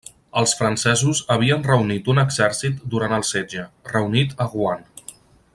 Els francesos havien reunit un exèrcit durant el setge, reunit a Rouen.